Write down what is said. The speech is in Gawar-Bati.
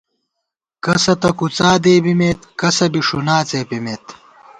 کسہ تہ کُڅا دېبِمېت، کسہ بی ݭُنا څېپِمېت